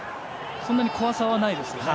そんなに怖さはないですよね。